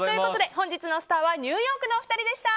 本日のスターはニューヨークのお二人でした。